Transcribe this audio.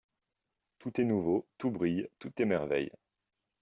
Tout est nouveau, tout brille, tout émerveille.